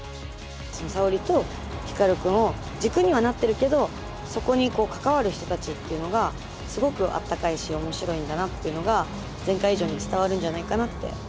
沙織と光くんを軸にはなってるけどそこに関わる人たちっていうのがすごくあったかいし面白いんだなっていうのが前回以上に伝わるんじゃないかなって思います。